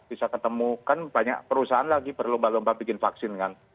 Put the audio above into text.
bisa ketemu kan banyak perusahaan lagi berlomba lomba bikin vaksin kan